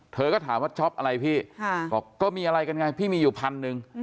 เธอก็ถามว่าช็อปอะไรพี่บอกก็มีอะไรกันไงพี่มีอยู่พันหนึ่ง